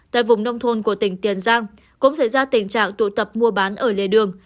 tại vùng nông thôn của tỉnh tiền giang cũng xảy ra tình trạng tụ tập mua bán ở lề đường